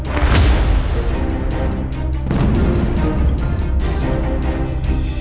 aku kayak ngasih ke padang